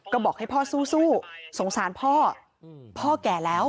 ก็บอกให้พ่อสู้สงสารพ่อพ่อแก่แล้ว